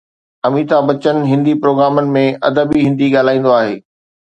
اميتاڀ بچن هندي پروگرامن ۾ ادبي هندي ڳالهائيندو آهي.